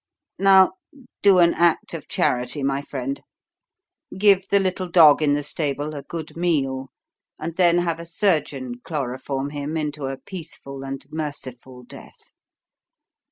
Now do an act of charity, my friend: give the little dog in the stable a good meal, and then have a surgeon chloroform him into a peaceful and merciful death.